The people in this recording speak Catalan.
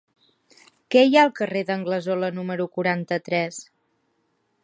Què hi ha al carrer d'Anglesola número quaranta-tres?